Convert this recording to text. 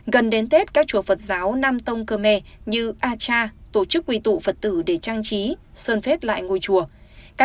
gần đến tết các chùa phật giáo nam tông khơ me như a cha tổ chức quy tụ phật tử để trang trí sơn phết lại ngôi chùa